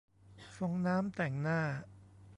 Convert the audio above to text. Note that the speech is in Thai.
ฟองน้ำแต่งหน้า